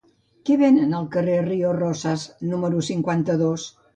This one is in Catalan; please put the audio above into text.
Què venen al carrer de Ríos Rosas número cinquanta-dos?